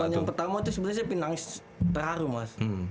oh momen yang pertama tuh sebenarnya saya pindah nangis terharu mas